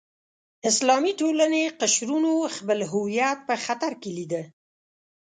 اسلامي ټولنې قشرونو خپل هویت په خطر کې لیده.